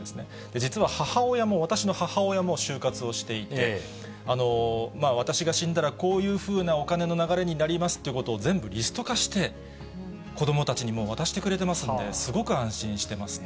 実は母親も、私の母親も終活をしていて、私が死んだら、こういうふうなお金の流れになりますということを全部、リスト化して、子どもたちにもう渡してくれてますんで、すごく安心してますね。